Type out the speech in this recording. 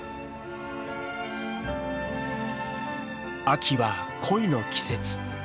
秋は恋の季節。